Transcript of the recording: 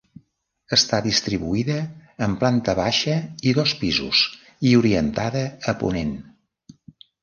Està distribuïda en planta baixa i dos pisos i orientada a ponent.